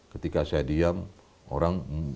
ketika saya diam orang